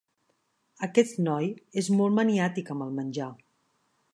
Aquest noi és molt maniàtic amb el menjar.